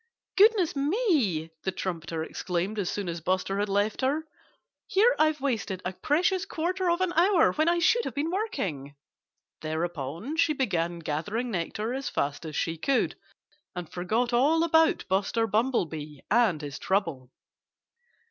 "Goodness me!" the trumpeter exclaimed as soon as Buster had left her. "Here I've wasted a precious quarter of an hour when I should have been working." Thereupon she began gathering nectar as fast as she could, and forgot all about Buster Bumblebee and his trouble.